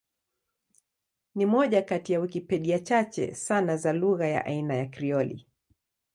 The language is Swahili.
Ni moja kati ya Wikipedia chache sana za lugha ya aina ya Krioli.